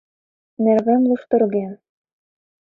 Нервем луштырген...